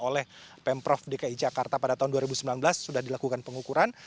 oleh pemprov dki jakarta pada tahun dua ribu sembilan belas sudah dilakukan pengukuran